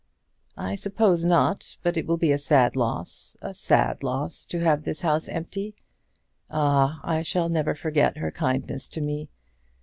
"I suppose not. But it will be a sad loss, a sad loss to have this house empty. Ah! I shall never forget her kindness to me.